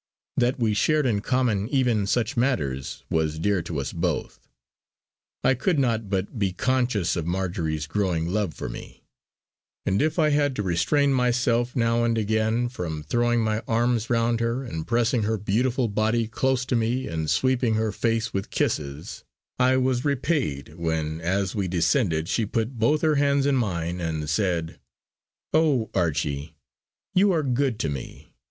That we shared in common even such matters was dear to us both. I could not but be conscious of Marjory's growing love for me; and if I had to restrain myself now and again from throwing my arms round her and pressing her beautiful body close to me and sweeping her face with kisses, I was repaid when, as we descended she put both her hands in mine and said: "Oh Archie! you are good to me!